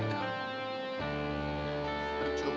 bercoba kalau cuma diomongin